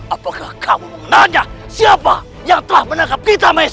apakah kamu menanyakan siapa yang telah menangkap kita maisa